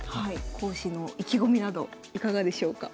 講師の意気込みなどいかがでしょうか？